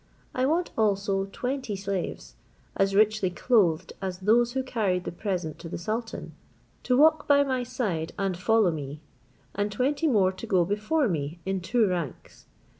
I want also twenty slaves, as richly clothed as those who carried the present to the sultan, to walk by my side and follow me, and twenty more to go before me in two ranks.